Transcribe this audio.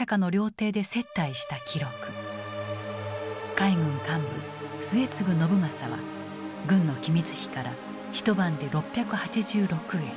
海軍幹部・末次信正は軍の機密費から一晩で６８６円